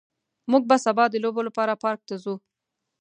موږ به سبا د لوبو لپاره پارک ته ځو